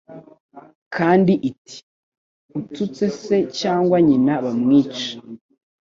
Kandi iti : Ututse se cyangwa nyina bamwice.